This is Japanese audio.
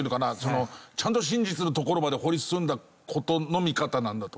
ちゃんと真実のところまで掘り進んだ事の見方なんだと。